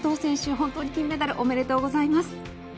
本当に金メダルおめでとうございます。